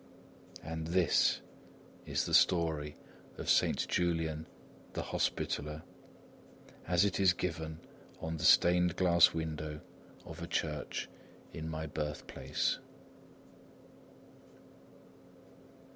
And this is the story of Saint Julian the Hospitaller, as it is given on the stained glass window of a church in my birthplace.